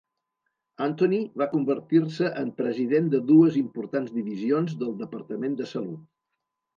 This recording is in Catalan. Anthony va convertir-se en president de dues importants divisions del departament de salut.